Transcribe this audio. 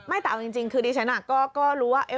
แต่เอาจริงคือดิฉันก็รู้ว่า